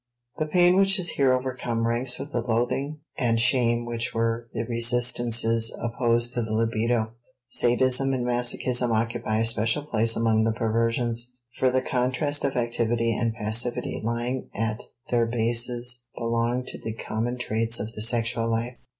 The pain which is here overcome ranks with the loathing and shame which were the resistances opposed to the libido. Sadism and masochism occupy a special place among the perversions, for the contrast of activity and passivity lying at their bases belong to the common traits of the sexual life.